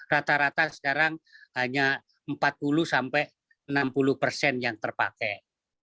rata rata sekarang hanya empat puluh sampai enam puluh persen yang terpakai